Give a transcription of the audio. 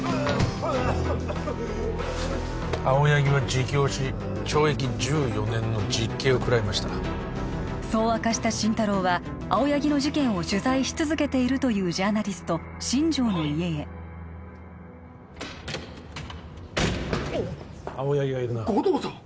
青柳は自供し懲役１４年の実刑を食らいましたそう明かした心太朗は青柳の事件を取材し続けているというジャーナリスト新城の家へ青柳がいるな護道さん！